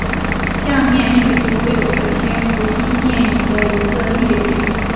下面是所有这些福星电影的一个列表。